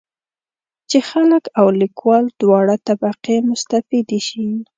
چې خلک او لیکوال دواړه طبقې مستفیدې شي.